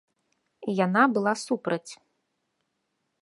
І яна была супраць.